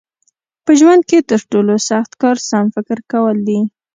په ژوند کې تر ټولو سخت کار سم فکر کول دي.